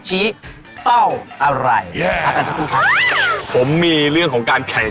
แต่ไม่ว่าจะเป็นอันเดอร์ซิฟบล็อก